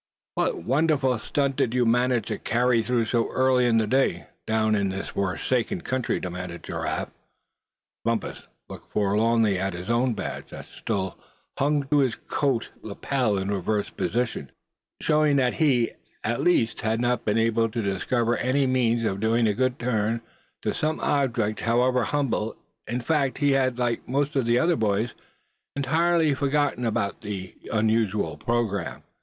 "What wonderful stunt did you manage to carry through so early in the day, down in this forsaken country?" demanded Giraffe. Bumpus looked forlornly at his own badge, that still hung to his coat lapel in its reversed position; showing that he, at least, had not been able to discover any means of doing a good turn to some object, however humble; in fact, he had, like most of the other boys, entirely forgotten about the usual programme.